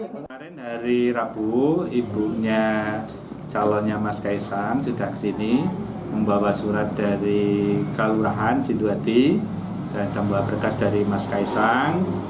kepala mas kaisang sudah ke sini membawa surat dari kelurahan situati dan tambah berkas dari mas kaisang